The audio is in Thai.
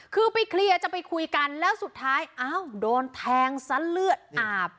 คือไปเคลียร์จะไปคุยกันแล้วสุดท้ายอ้าวโดนแทงซะเลือดอาบ